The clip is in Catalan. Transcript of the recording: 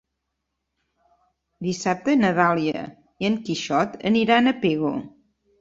Dissabte na Dàlia i en Quixot aniran a Pego.